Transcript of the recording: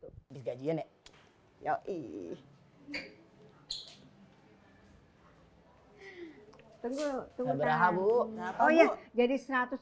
tunggu tunggu habuk oh ya jadi